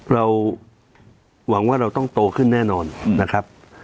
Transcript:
เราหวังว่าเราต้องโตขึ้นแน่นอนนะครับ